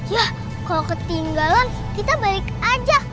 ya kalau ketinggalan kita balik aja